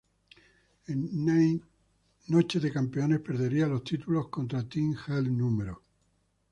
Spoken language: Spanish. En Night of Champions perderían los títulos contra Team Hell No.